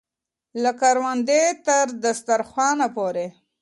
له کروندې تر دسترخانه پورې.